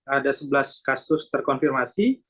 ada sebelas kasus terkonfirmasi